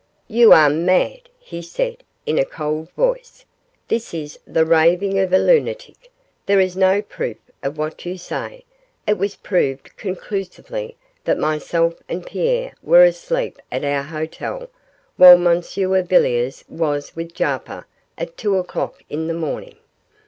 'You are mad,' he said, in a cold voice; 'this is the raving of a lunatic; there is no proof of what you say; it was proved conclusively that myself and Pierre were asleep at our hotel while M. Villiers was with Jarper at two o'clock in the morning.